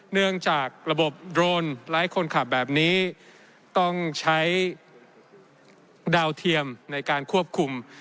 เนื่องจากระบบโดรนไร้คนขับแบบนี้ต้องใช้ดาวเทียมในการควบคุม